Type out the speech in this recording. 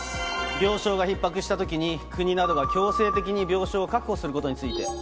病床がひっ迫したときに、国などが強制的に病床を確保することについて。